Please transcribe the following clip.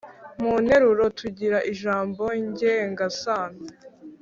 munteruro tugira ijambo ngengasano